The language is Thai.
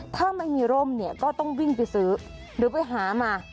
ถ้าไม่มีร่มเนี่ยก็ต้องวิ่งไปซื้อหรือไปหามา